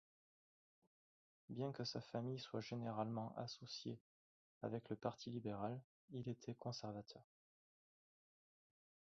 Bien que sa famille soit généralement associée avec le Parti libéral, il était conservateur.